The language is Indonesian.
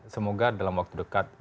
semoga dalam waktu dekat